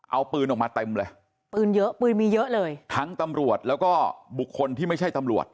เอาปืนออกมาเต็มเลยปืนเยอะปืนมีเยอะเลยทั้งตำรวจแล้วก็บุคคลที่ไม่ใช่ตำรวจ